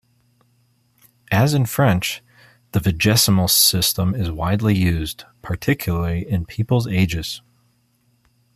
As in French, the vigesimal system is widely used, particularly in people's ages.